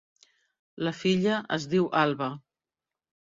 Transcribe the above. La filla es diu Alba.